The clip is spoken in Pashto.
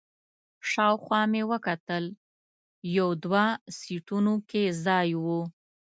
شاوخوا مې وکتل، یو دوه سیټونو کې ځای و.